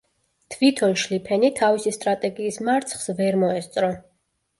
თვითონ შლიფენი თავისი სტრატეგიის მარცხს ვერ მოესწრო.